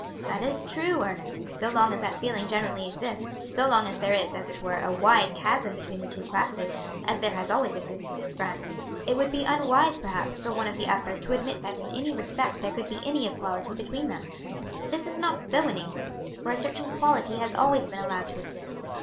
"That is true, Ernest. So long as that feeling generally exists, so long as there is, as it were, a wide chasm between the two classes, as there has always existed in France, it would be unwise perhaps for one of the upper to admit that in any respect there could be any equality between them; but this is not so in England, where a certain equality has always been allowed to exist.